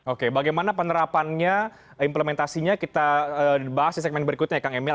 oke bagaimana penerapannya implementasinya kita bahas di segmen berikutnya ya kang emil